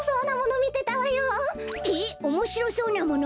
えっおもしろそうなもの？